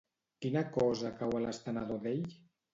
Quina cosa cau a l'estenedor d'ell?